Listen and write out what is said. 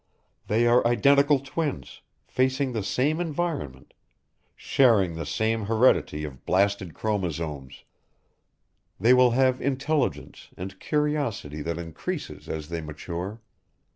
They are identical twins, facing the same environment, sharing the same heredity of blasted chromosomes. They will have intelligence and curiosity that increases as they mature.